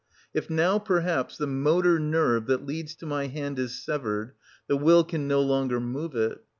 If now perhaps the motor nerve that leads to my hand is severed, the will can no longer move it.